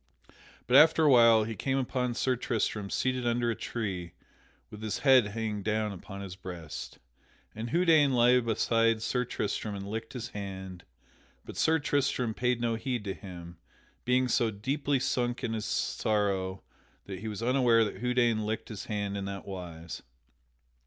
But after a while he came upon Sir Tristram seated under a tree with his head hanging down upon his breast. And Houdaine lay beside Sir Tristram and licked his hand, but Sir Tristram paid no heed to him, being so deeply sunk in his sorrow that he was unaware that Houdaine licked his hand in that wise.